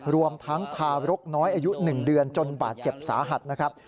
รวมทั้งทารกน้อยอายุ๑เดือนจนบาดเจ็บสาหัสนะครับ